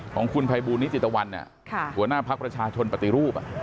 ของคุณไพบูนิติตวันค่ะหัวหน้าพระประชาชนปฏิรูป